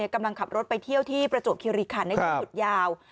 กำลังขับรถไปเที่ยวที่ประจวบคิริคันในช่วงหยุดยาว